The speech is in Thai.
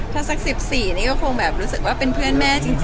ถ้าสัก๑๔นี่ก็คงแบบรู้สึกว่าเป็นเพื่อนแม่จริง